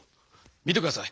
見てください